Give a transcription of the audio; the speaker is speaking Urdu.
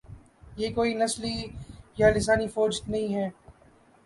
یہ کوئی نسلی یا لسانی فوج نہیں ہے۔